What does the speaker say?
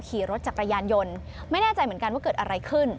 ขี่รถจักรยานยนต์ไม่แน่ใจเหมือนกันว่าเกิดอะไรขึ้น